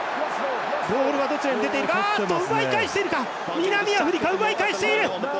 南アフリカ、奪い返している！